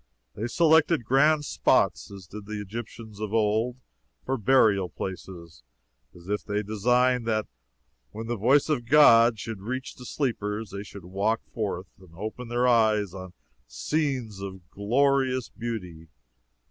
They selected grand spots, as did the Egyptians of old, for burial places, as if they designed that when the voice of God should reach the sleepers, they should walk forth and open their eyes on scenes of glorious beauty.